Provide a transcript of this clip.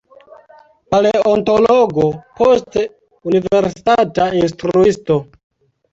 Paleontologo, poste universitata instruisto.